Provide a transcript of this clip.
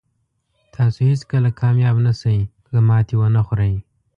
تاسو هېڅکله کامیاب نه شئ که ماتې ونه خورئ.